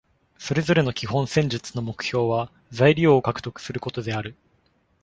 それぞれの基本戦術の目標は、材料を獲得することである。